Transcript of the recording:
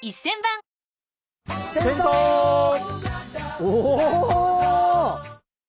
お？